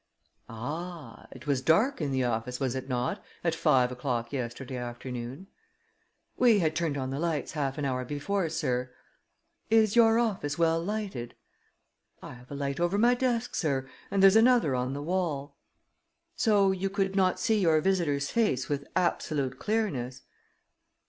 "Ah! It was dark in the office, was it not, at five o'clock yesterday afternoon?" "We had turned on the lights half an hour before, sir." "Is your office well lighted?" "I have a light over my desk, sir, and there's another on the wall." "So you could not see your visitor's face with absolute clearness?"